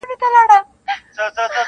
یو تر بله ښه پاخه انډيوالان وه-